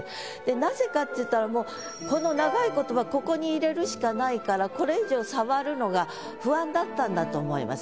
なぜかっていったらこの長い言葉ここに入れるしかないからこれ以上触るのが不安だったんだと思います。